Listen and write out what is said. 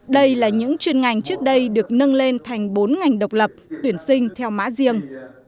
đây là những chuyên ngành trước đây được nâng lên thành bốn ngành độc lập tuyển sinh theo mã riêng